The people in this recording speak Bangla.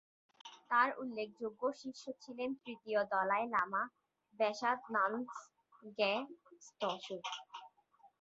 তার উল্লেখযোগ্য শিষ্য ছিলেন তৃতীয় দলাই লামা ব্সোদ-নাম্স-র্গ্যা-ম্ত্শো।